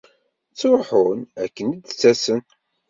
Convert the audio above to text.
Ttruḥun akken i d-ttasen.